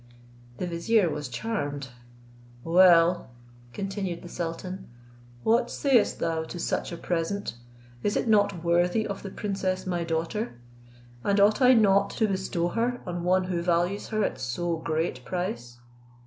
The vizier was charmed. "Well," continued the sultan, "what sayst thou to such a present? Is it not worthy of the princess my daughter? And ought I not to bestow her on one who values her at so great price?"